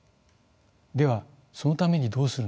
ではそのためにどうするのか。